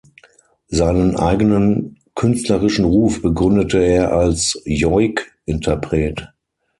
Seinen eigenen künstlerischen Ruf begründete er als Joik-Interpret.